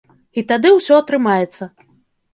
І тады ўсё атрымаецца.